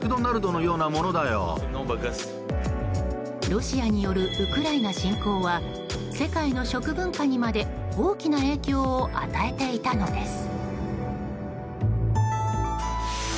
ロシアによるウクライナ侵攻は世界の食文化にまで大きな影響を与えていたのです。